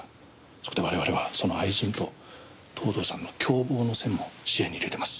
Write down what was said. そこで我々はその愛人と藤堂さんの共謀のセンも視野にいれてます。